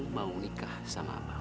mau nikah sama abang